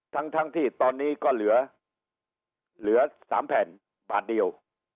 ทั้งที่ตอนนี้ก็เหลือ๓แผ่นบาทเดียว